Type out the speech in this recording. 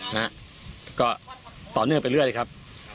นะฮะก็ต่อเนื่องไปเรื่อยครับ